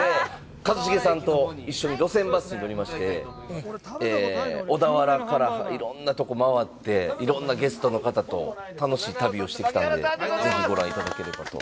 一茂さんと一緒に路線バスに乗りまして小田原からいろんなとこ回っていろんなゲストの方と楽しい旅をしてきたんでぜひご覧いただければと。